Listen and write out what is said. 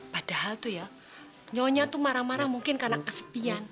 padahal tuh ya nyonya tuh marah marah mungkin karena kesepian